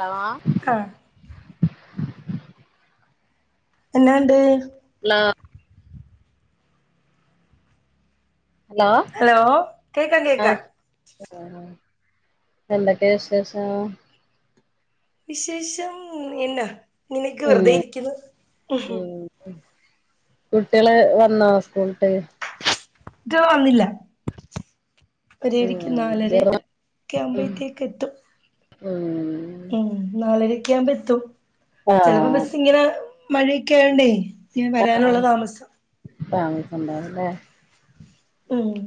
Hello? ആഹ് എന്നാണ്ട്? [unintelligible] Hello കേക്കാം കേക്കാം ആഹ് ആഹ് എന്തൊക്കെയാ വിശേഷം? വിശേഷം എന്നാ ഇങ്ങനെയൊക്കെ വെറുതെ ഇരിക്കുന്നു കുട്ടിയള് വന്നാ സ്കൂളിട്ട്? ഇത് വന്നില്ലാ [unintelligible] നാലരെ ഉം ഒക്കെ ഉം ആവ്മ്പഴത്തേക്ക് എത്തും ഉം ഉം നാലരെയെക്കെ ആവുമ്പ എത്തും ആ ചെലപ്പ ബസ്സ് ഇങ്ങനെ മഴയൊക്കെ ആയോണ്ടേ ഇങ്ങനെ ആഹ് വരാനുള്ള താമസം താമസണ്ടാവൂല്ലേ ഉം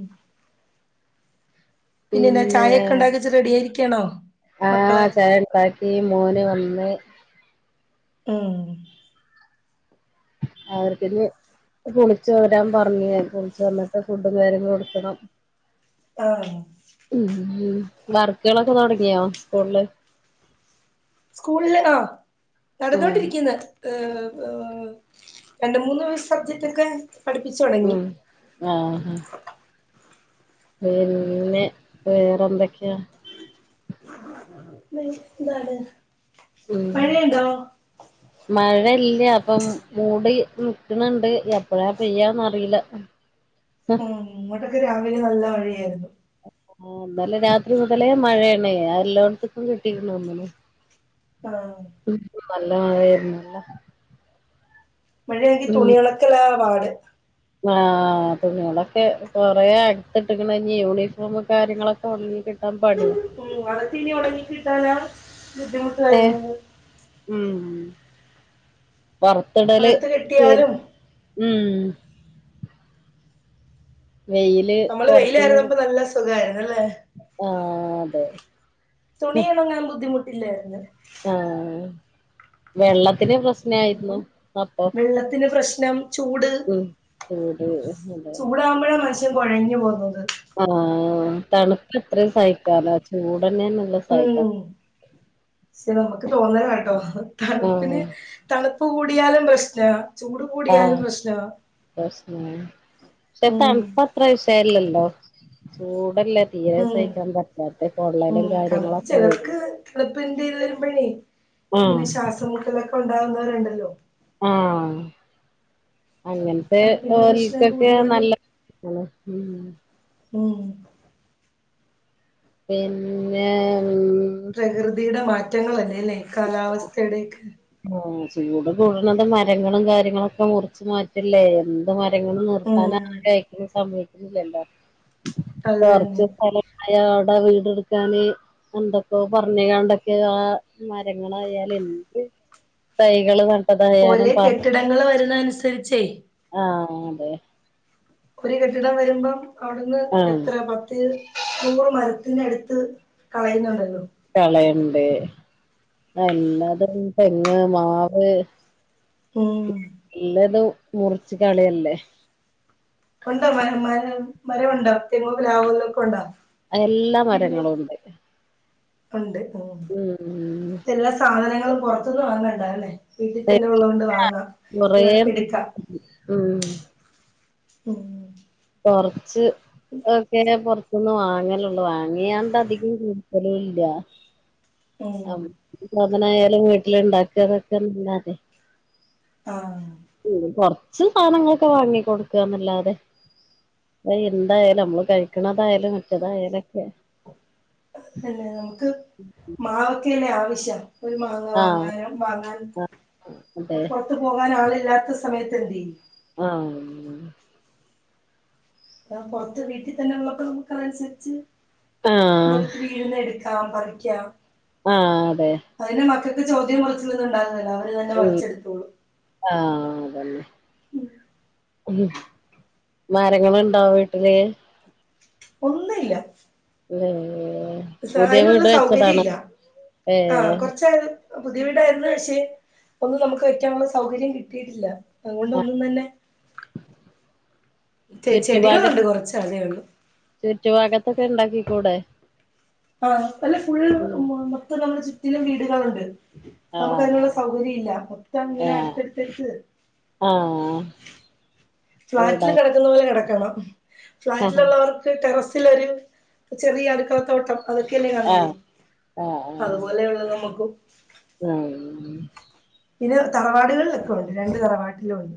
പിന്നെ എന്താ ചായ ഒക്കെ ഇണ്ടാക്കി വെച്ച് റെഡി ആയിരിക്കാണോ മക്കളെ ആഹ് ചായക്കെ ആക്കി മോന് വന്ന് ഉം അവർക്കിന്നി കുളിച്ചു വരാൻ പറഞ്ഞ് ഞാൻ കുളിച്ചു വന്നിട്ട് ഫുഡും കാര്യങ്ങളും കൊടുക്കണം ആഹ് ഉം ഉം വർക്കുകളൊക്കെ തൊടങ്ങിയോ സ്കൂളില് സ്കൂളില് ആഹ് ഉം നടന്നോണ്ടിരിക്ക്ന്ന് ഏഹ് ഏഹ് രണ്ട് മൂന്ന് സബ്ജക്റ്റൊക്കെ പഠിപ്പിച്ചു തൊടങ്ങി ആഹ് ആഹ് പിന്നെ വേറെന്തൊക്കയാ? [unintelligible] എന്താണ് മഴെയ്ണ്ടോ? മഴ ഇല്ലാ ഇപ്പം മൂടി നിക്ക‌ണണ്ട് എപ്പളാ പെയ്യാന്ന് അറീല്ലാ ഉം ഇങ്ങോട്ടൊക്കെ രാവിലെ നല്ല മഴയായിരുന്നു ആഹ് ഇന്നലെ രാത്രി മുതലേ മഴ ആണേ അത് എല്ലോടത്ത്ക്കും കിട്ടിക്കണ് തോന്നണു ആഹ് നല്ല മഴയാര്ന്നുല്ലേ മഴ എനിക്ക് തുണി ഒണക്കെലാ പാട് ആഹ് തുണിയൊളൊക്കെ കൊറെ അടുത്ത് ഇട്ട്ക്കണ് ഇന്നി യൂണിഫോമു കാര്യങ്ങളൊക്കെ ഒണങ്ങി കിട്ട് ട്ടാൻ പണിയാ ഉം അതൊക്കെ ഇനി ഒണങ്ങി കിട്ടാനാ ബുദ്ധിമുട്ട് ഏഹ് വരുന്നത് ഉം ഉം പൊർത്തിടല് അകത്ത് ചെ കെട്ടിയാലും ഉം വെയിൽ നമ്മള് വെയിലായിരുന്നപ്പ നല്ല സുഖായിരുന്നല്ലെ ആഹ് അതെ തുണിയൊണങ്ങാൻ ബുദ്ധിമുട്ടില്ലായിരുന്ന് ആഹ് വെള്ളത്തിന് പ്രശ്ന് വെള്ളത്തിന് പ്രശ്നം ചൂട് ഉം ചൂട് അതെ ചൂടാവുമ്പഴാ മനുഷ്യൻ കൊഴഞ്ഞു പോകുന്നത് ആഹ് തണുപ്പെത്രയും സഹിക്കാലോ ചൂടെന്നെയാണ് ഉം ഷെ നമ്മക്ക് തോന്നണതാട്ടോ തണുപ്പിന് ആഹ് തണുപ്പ് കൂടിയാലും പ്രശ്നാ ചൂട് കൂടിയാലും ആഹ് പ്രശ്നാ കശ്മീർ ഷെ ഉം തണ്പ്പ്‌ അ അത്രാവിഷയല്ലല്ലോ ചൂടല്ലേ തീരെ മ് സഹിക്കാൻ പറ്റാത്തെ മ് പൊള്ളലും തണുപ്പ് കാര്യങ്ങളൊക്കെ വരും ചെലർക്ക് തണപ്പ് എന്തലു വരുമ്പഴേ ഇങ്ങനെ ആഹ് ശ്വാസം മുട്ടൊലൊക്കെ ഉണ്ടാവുന്നവരുണ്ടല്ലോ ആഹ് അങ്ങെ നെ തണുപ്പിന്റെ പ്രശ്നം ഓല്ക്കൊക്കെ കൂടിയാല് നല് മ് പിന്നെ ഉം പ്രകൃതിയുടെ മാറ്റങ്ങൾല്ലേ ല്ലേ കാലാവസ്ഥയുടൊക്കെ ഓ ചൂട് കൂടുന്നൊണ്ട് മരങ്ങളും കാര്യങ്ങളൊക്കെ മുറിച്ച് മാറ്റല്ലേ ഇത് മരങ്ങള് ഉം നിർത്താൻ ആ കഴിക്ക സമ്മയ്ക്ന്നില്ലല്ലോ അത് തന്നെ കൊറച്ച് സ്ഥല അയാ ടൊ വീട് എട്ക്കാന് എന്തൊക്കോ കൊർഞ്കാണ്ടൊക്കെ ആ മരങ്ങളായാലെ എന്ത് തൈകള് ത ഓര് കെട്ടിടങ്ങള് വരന്ന അനുസരിച്ചേ ആഹ് അതെ ഒരു കെട്ടിടം വരുമ്പം അവിടുന്ന് ആഹ് എത്രയ പത്ത് നൂറ് മരത്തിന്റെ അടുത്ത് കളയുന്നുണ്ടല്ലോ കളയ്ണ്ട് എല്ലതും തെങ്ങ് മാവ് ഉം ഇല്ലത് മുറിച്ച് കളിയല്ലേ ഉണ്ടോ മ മര മരമുണ്ട തേങ്ങോ പ്ലാവോ തൊക്കൊ ഉണ്ടൊ അല്ലാ മരങ്ങളും ഉണ്ട് ഉണ്ട് ഓഹ് ഉം എല്ലാ സാധനങ്ങളും പുറത്തുന്ന് വാങ്ങണ്ടലെ വീട്ടി തന്നെ ഉള്ളോണ്ട് വാങ്ങാ കൊറേ അല്ല എട്ക്കാ ഉം ഉം കൊറ്ച്ച് ഒക്കെ ഞാൻ പൊറ്ത്ത്ന്ന് വാങ്ങലൊള്ളൂ വാങ്ങിയാണ്ടധികം ബെടീല്ലാ ഉം [unintelligible] സാദനായാലും വെ ട്ട്യാ ണ്ടാക്കാതൊക്കെല്ലാതെ ആഹ് ഉം കൊറ്ച്ച് സാനങ്ങളൊക്കെ വാങ്ങി കൊട്ക്കാന്നെല്ലാതെ അഅ് എന്തായാലും നമ്മൾ കഴിക്ക്ണതായാലും മറ്റതായാലൊക്കെ എന്നെ നമുക്ക് മാവൊക്കെന്നെ ആവശ്യം ഒരു മാങ്ങ ആഹ് വാങ്ങാനും വാങ്ങാൻ അതെ ഒന്ന്പൊ ർത്ത് പോകാനാളില്ലാത്ത സമയത്തെന്തേ ആഹ് ആഹ് പൊറ്ത്ത് വീട്ടിത്തെന്നെള്ളപ്പോ നമുക്കതന്സര്ച്ച് ആഹ് നേൽത്ത് വീഴുന്നെടു ക്കാം പറിക്ക്യാം ആഹ് അതെ അയ്ന് മക്കൾക്ക് ചോദ്യോംപറ്ച്ചിലൊന്നു ണ്ടാവൊന്നുല്ല അവര് തന്നെ ഉം പറിച്ചെടുത്തോളും ആഹ് അതെന്നെ ഉം മരങ്ങള്ണ്ടോ വീട്ട്ല് ഒന്നുല്ല ല്ലല്ലേ [unintelligible] അയ്നുള്ള സൗകര്യല്ലാ ആഹ് ഏഹ് കൊറച്ചയി പുതിയ വീടായിരുന്നു പക്ഷേ ഒന്നും നമുക്ക് വെക്കാനുള്ള സൗകര്യം കിട്ടിയിട്ടില്ല അതുകൊണ്ടൊന്നും തന്നെ ചെ ചെടികളുണ്ട് കൊറച്ചതേയുള്ളൂ. ചുറ്റു ഭാഗത്തൊക്കെ ഇണ്ടാക്കി കൂടെ? ആഹ് അല്ല ഫുൾ മൊത്തം നമ്മുടെ ചുറ്റിലും വീടുകളുണ്ട്. നമുക്കയിനുള്ള ആഹ് സൗകര്യം ഇല്ല മൊത്തം ഇങ്ങനെ ആഹ് അടുത്തടുത്തടുത്ത് ആഹ് ഫ്ളാറ്റിൽ വീടോ കെടക്കുന്ന പോലെ കെടക്കണം ആഹ് ഫ്ളാറ്റിലുള്ളവർ ക്ക് ടെറസിലൊരു ചെറിയ അടുക്കളത്തോട്ടം അതൊക്കെയല്ലേ കാണുള്ളു ആഹ് ആഹ് അതുപോലെയുള്ളൂ നമുക്കും. [unintelligible] പിന്നെ തറവാടുകളിലൊക്കെയുണ്ട് രണ്ട് തറവാട്ടിലുണ്ട്.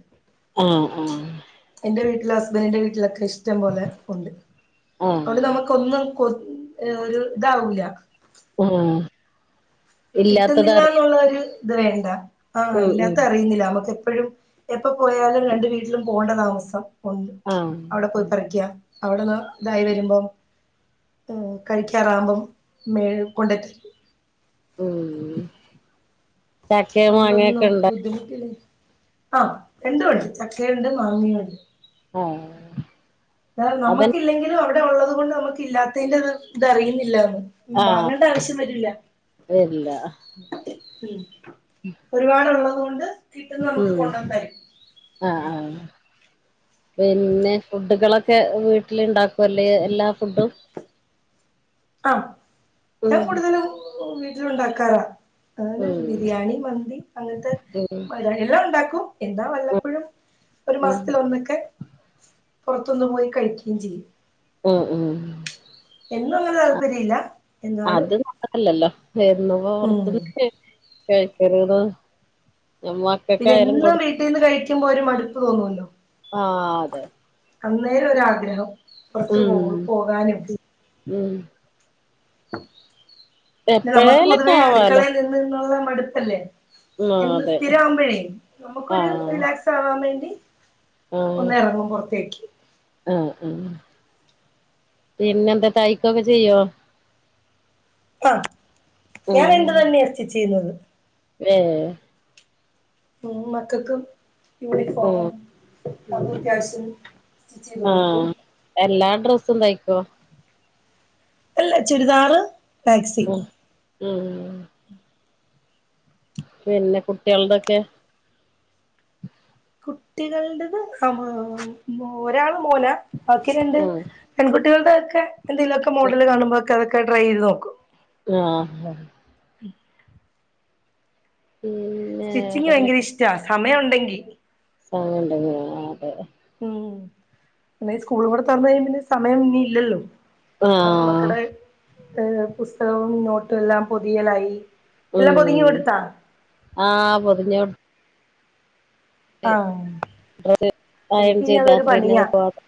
ആഹ് ആഹ് എന്റെ വീട്ടിലും ഹസ്ബൻിന്റെ വീട്ടിലൊക്കെ ഇഷ് റ്റം പോലെ ഉണ്ട് ആഹ് അതോണ്ട് നമുക്കൊന്നും കൊത് ഒരുതാവൂലാ. ആഹ് ഇല്ലാത്തത് അറിയ കിട്ടുന്നില്ലാന്നുള്ളൊരു ഇത് വേണ്ട ആഹ് ഉം ഉം ഇല്ലാത്തറിയുന്നില്ല നമുക്കെപ്പഴും എപ്പോ പോയാലും രണ്ട് വീട്ടിലും പോണ്ടതാമസം ഉണ്ട് ആഹ് അവിടെ പോയി പറിക്കാ അവിടൊന്ന് ഇതായി വരുമ്പോം ഉം കഴിക്കാറാവുമ്പം മേഴ് കൊണ്ടെതരും. ഉം ചക്കയും അതുകൊണ്ടൊന്നും മാങ്ങയൊക്കെ നമുക്ക് ഇണ്ടോ ബുദ്ധിമുട്ടില്ല ആഹ് രണ്ടുമുണ്ട് ചക്കയുണ്ട് മാങ്ങയുണ്ട്. ഓഹ് നമ്മക്കില്ലെങ്കിലും അവിടെ ഒള്ളത് കൊണ്ട് നമുക്ക് ഇല്ലാത്തേന്റെത് ഇത് അറിയുന്നില്ലാന്ന്. ഉം ആഹ് വാങ്ങണ്ട ആവശ്യം വരൂല്ലാ. വരില്ല ഉം ഒരുപാടുള്ളത് കൊണ്ട് കിട്ടുന്ന നമുക്ക് ഉം കൊണ്ടന്ന് തരും. ആഹ് ആഹ് പിന്നെ ഫുഡുകളൊ ക്കെ വീട്ടിലിണ്ടാക്കോല്ലേ എല്ലാ ഫുഡും? ആഹ് ഉം ഞാൻ കൂടുതലും വീട്ടിലുണ്ടാക്കാറാ. അതുപോലെ ഉം ബിരിയാണി മന്തി അങ്ങനത്തെ ഉം [unintelligible] എല്ലാം ഉണ്ടാക്കും എന്താ വല്ലപ്പഴും ഒരു ഉം മാസത്തിലൊന്നൊക്കെ പൊറത്തൊന്ന് പോയി കഴിക്കേം ചെയ്യും. ഉം ഉം [unintelligible] താല്പര്യല്ലാ? അത് ഉം [unintelligible] കഴിക്കരുത് [unintelligible] പിന്നെ എന്നും കൊടു വീട്ടീന്ന് കഴിക്കുമ്പോ ഒരു മടുപ്പ് തോന്നുല്ലോ? ആഹ് അതെ അന്നേരം ഒരാഗ്രഹം പുറത്ത് പോ ഉം പോകാനും ഉം പിന്ന നമുക്ക് എപ്പഴേലൊക്കെ പൊതുവേ ആവാലോ അടുക്കളയിൽ നി ന്നുള്ള മടുപ്പല്ലേ ആഹ് എന്നും അതെ സ്ഥിരവുമ്പോഴേ നമ്മക്കൊരു ആഹ് റീലാക് സാവാൻ വേണ്ടി ആഹ് ഒന്ന് എറങ്ങും പുറത്തേക്ക്. ആഹ് അഹ് പിന്നെന്താ തയ്ക്കൊക്കെ ചെയ്യോ? ആഹ് ഉം ഞാൻ എന്റെതന്നെയാ സ്റ്റിച്ച് ചെയ്യുന്നത്. ഏഹ്. ഉം മക്കക്ക്. ഉം യൂണിഫോമും ഉം [unintelligible] കാഷും ചേലോട്ത്ത്. ആഹ് എല്ലാ ഡ്രസ്സും തയ്ക്കോ? അല്ല ചുരിദാറ്. മാക്സി ഓഹ് ഉം. പിന്നെ കുട്ടിൾതൊക്കെ? കുട്ടികൾടത് അഹ് മ് ഒരാള് മോനാ ബാക്കി രണ്ട്. ഉം പെൺകുട്ടികൾടെക്കെ എന്തേലു ഒക്കെ മോഡല് കാണുമ്പൊക്കെ അതൊക്കെ ട്രൈയ്യയ്ത് നോക്കും. ആഹ് ഹ്. [inaudible] മ്. സ്റ്റിച്ചിങ്ങ് ഭയങ്കര ഇഷ്ടാ സമയം ഉണ്ടെങ്കി. സമയം ഉണ്ടെങ്കി ആഹ് അതെ. ഉം പിന്നെ സ്കൂള് കൂടെ തുറന്ന് കഴിയുമ്പൊ സമയം ഇനി ഇല്ലല്ലോ കാരണം മ ആഹ് ക്കടെ ഏഹ് പുസ്തകവും നോട്ടും എല്ലാം പെതിയലായി. എല്ലാം പൊതിഞ്ഞ് ഉം കൊട്ത്തോ? ആഹ് പൊതിഞ്ഞു. ആഹ് [unintelligible] അയേണ് എനിക്കിനി ചെയ്ത അതൊരു പണിയാ [unintelligible]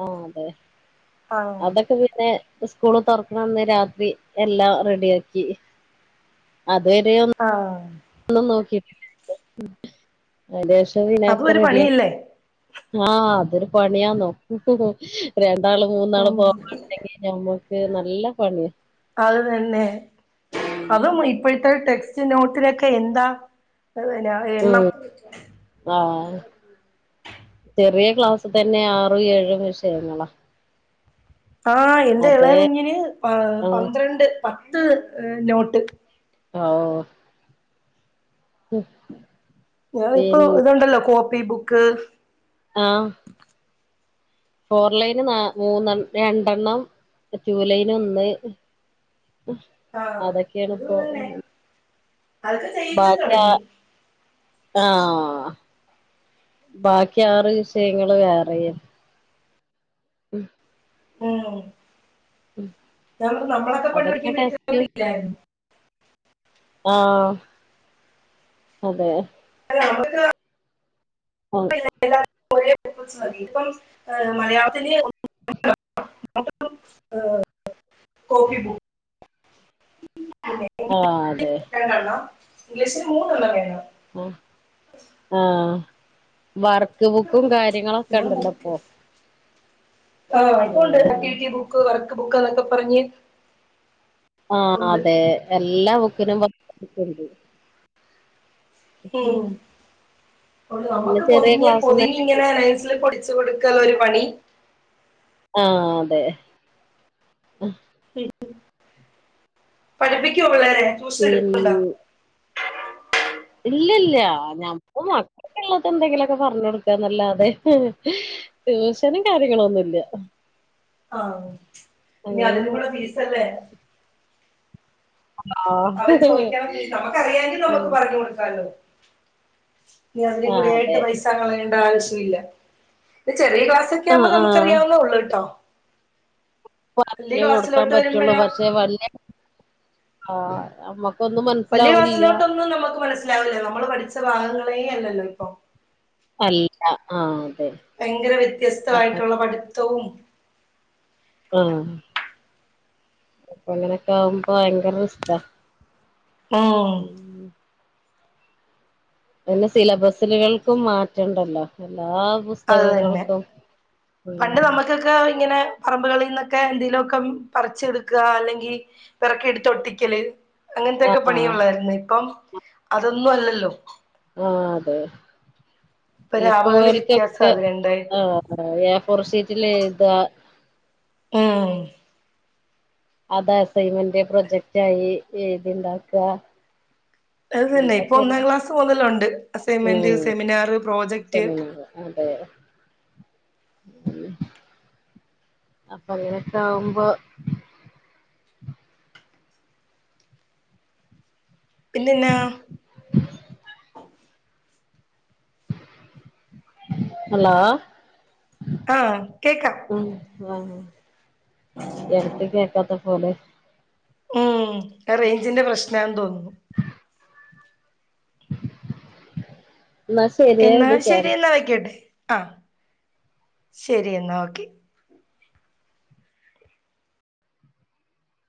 ഓ അതെ ആഹ് അതൊക്കെ പിന്നെ. ഉസ്കൂള് തെറ്ക്ക്ണന്ന് രാത്രി എല്ലാം റെഡി ആക്കി അത് ഒര് ആഹ്. ഒന്നു നോക്കി അയിന് ശേഷം പിന്നെ അതും അതക്കെ ഒരു റെഡി ആക്കി. പണിയല്ലേ ആഹ് അതൊര് പണിയാന്നോ രണ്ടാള് മൂന്നാള് ഉം പോവാ ങ്കി ഞമ്മക്ക് നല്ല പണിയാ. അത് തന്നെ ഉം അതും ഇ ഇപ്പഴത്തെ ടെക്സ്റ്റ് നോട്ടിലൊക്കെ എന്താ ഏഹ് പിന്ന ഉം എണ്ണം. ആഹ് ചെറിയ ക്ലാസ്സ് തന്നെ ആറും ഏഴും വിഷയങ്ങളാ. ആഹ് എന്റെ അതെ ഇളയ കുഞ്ഞിന് പ ആഹ് പന്ത്രണ്ട് പത്ത് എഹ് നോട്ട്. ഓഹ്. ങ്ങൾ ഇപ്പോ പിൻ ഇതുണ്ടല്ലോ കോപ്പി ബുക്ക്. ആഹ്. ഫോർ ലൈന് ന മൂന്നെ രണ്ടെണ്ണം ടു ലൈന് ഒന്ന്. ആഹ് ഇത് അതൊക്കെയാണിപ്പോ. തന്നെ അതൊക്കെ ചെയ്യിച്ചു ബാക്കിയാ. തുടങ്ങി ആഹ് ബാക്കി ആറ് വിഷയങ്ങള് വേറെയും. ഉം. ഉം ന നമ്മളൊക്കെ പണ്ടു അതൊക്കെ പഠിക്ക്ണ ടെസ്റ്റും ഇതൊന്നില്ലായിരുന്നു. ആഹ് അതെ. അല്ല അപ്പ പിന്നെ. ഓഹ് [unintelligible] ഇപ്പം. മലയാളത്തിലെ ഏ കോപ്പി ബു ന്നെ [unintelligible] അതെ രണ്ടെണ്ണം ഇംഗ്ലീഷ്ന് മൂന്നെണ്ണം വേണം. ആഹ് ആഹ് വർക്ക് ബുക്കും കാര്യങ്ങളൊക്കെ വേണം ഉണ്ടല്ലോ ബുക്ക് ഇപ്പോ. ആഹ് ഇവൾക്കുണ്ട് ഉം ആക്ടിവിറ്റി ബുക്ക് വർക്ക് ബുക്ക് അതൊക്കെ പറഞ്ഞ് ആഹ് ഉണ്ട് അതെ എല്ലാ ബുക്കിനും വർക്ക് ബുക്ക്ണ്ട് ഉം [unintelligible] പിന്നെ നമ്മക്ക് ചെറിയ പൊതിഞ്ഞ് ക്ലാസ്ന്ന് പൊതിഞ്ഞിങ്ങനെ നെയിം സ്ലിപ്പ് ഒടിച്ച് കൊടുക്കലൊരു പണി ആഹ് ആഹ് അതെ ഉം ഉം പഠിപ്പിക്കോ പിള്ളാരെ പിൻ ഇല്ലല്ലാ [unintelligible] മക്കക്ക്ള്ളത് എന്തെങ്കിലൊക്കെ പറഞ്ഞു കൊടുക്കാന്നല്ലാതെ ട്യൂഷനും കാര്യങ്ങളൊന്നുല്ലാ ആഹ് ഇനി അതിനും അങ്ങനൊന്നും കൂടെ ഫീസല്ലേ ആ അവര് ചോദിക്കണം നമ്മക്കറിയാങ്കിൽ നമ്മക്ക് ഉം. പറഞ്ഞ് കൊടുക്കാല്ലോ ഇനി അതിനും ആ കൂടി ആയിട്ട് അതെ പൈസ കളയേണ്ട ആവശ്യല്ലാ ഇപ്പ ചെറിയ ക്ലാസ്സൊക്കെ ആ ആവുമ്പോ ആ നമുക്കറിയാവുന്നേ ഉള്ളൂട്ടോ പറഞ്ഞ് കൊടുക്കാൻ പറ്റുള്ളൂ പക്ഷെ വല്യ ആഹ് നമ്മക്ക് വല്യ ക്ലാസ്സിലോട്ടൊന്നും നമ്മക്ക് മനസ്സിലാവില്ലാ നമ്മള് പഠിച്ച ഭാഗങ്ങളേ അല്ലല്ലോ ഇപ്പം അല്ല ആഹ് അതെ ഭയങ്കര അപ്പൊ വ്യത്യസ്തമായിട്ടുള്ള പഠിത്തവും ആഹ് അപ്പൊ അങ്ങനൊക്കെ ആവുമ്പ ഭയങ്കര റിസ്‌ക്കാ ഉം പിന്നെ സിലബസുകൾക്കും മാറ്റണ്ടല്ലോ എല്ലാ ബുസ് അത് തന്നെ ബുസ്തകങ്ങൾക്കും പണ്ട് ഉം നമുക്കൊക്കെ ഇങ്ങനെ പറമ്പുകളീന്നൊക്കെ എന്തെലു ഒക്കെ പറിച്ചെടുക്കാ അല്ലെങ്കി പെറക്കി എടുത്ത് ഒട്ടിക്കല് ആ അങ്ങൻത്തൊക്കെ ആ പണിയേ ഒള്ളായിരുന്നു ഇപ്പം അതൊന്നും അല്ലല്ലോ ആഹ് അതെ ഇപ്പൊ ഈ രാപകല് വ്യത്യാസം പോയോൽക്കൊക്കെ അത് രണ്ടായിട്ട് ആഹ് ആഹ് എ ഫോർ ഷീറ്റില് എഴുതാ ഏഹ് അതാ അസൈൻമെന്റ് പ്രൊജക്റ്റ് ആയി എയിതിണ്ടാക്കാ അത് തന്നെ ഇപ്പൊ ഒന്നാം ക്ലാസ്സ് മൊതലൊണ്ട് അസൈൻമെന്റ് ഉം സെമിനാറ് പ്രോജക്ട് സെമിനാർ അതെ ഉം അപ്പൊ അങ്ങനൊക്കെ ആവുമ്പോ പിന്നെന്നാ? [inaudible] ഹലോ ആഹ് കേക്കാം ഉം ആഹ് എടക്ക് കേക്കാത്ത പോലെ ഉം അത് റേഞ്ചിന്റെ പ്രശ്നാന്ന് തോനുന്നു എന്നാ ശരിയേ എന്നാ ഇത് ശരി എന്നാ വയ്ക്കട്ടെ ആഹ് ശരി എന്നാ ഓക്കെ